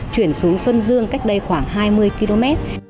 chuyển xuống xuân dương cách đây khoảng hai mươi km